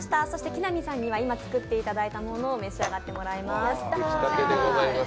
木南さんには今作っていただいたものを召し上がっていただきます。